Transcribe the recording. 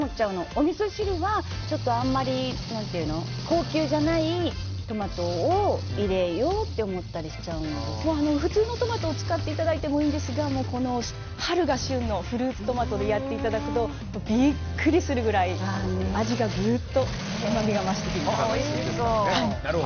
おみそ汁はあんまり高級じゃないトマトを入れようって普通のトマトを使っていただいてもいいんですがこの春が旬のフルーツトマトでやっていただくとビックリするぐらい味が、ぐっとうまみが増します。